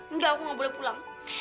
enggak aku nggak boleh pulang